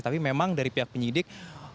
tapi memang dari pihak penyidik